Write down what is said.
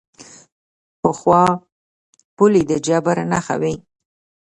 پخوا پولې د جبر نښه وې.